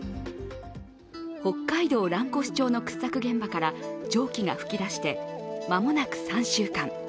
北海道蘭越町の掘削現場から蒸気が噴き出して、間もなく３週間。